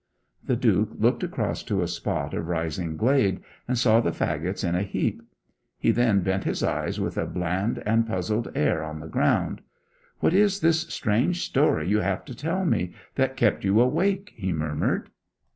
The Duke looked across to a spot of rising glade, and saw the faggots in a heap. He then bent his eyes with a bland and puzzled air on the ground, 'What is this strange story you have to tell me that kept you awake?' he murmured.